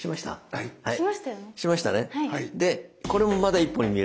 はい。